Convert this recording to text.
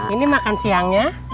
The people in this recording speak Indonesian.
ini makan siangnya